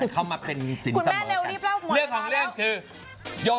อ๋อเข้าใจแล้วมันเป็นประเด็น